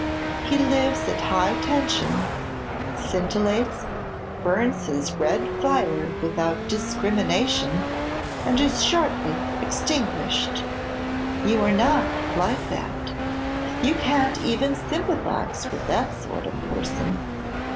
He lives at high tension, scintillates, burns his red fire without discrimination and is shortly extinguished. You are not like that. You can't even sympathize with that sort of person.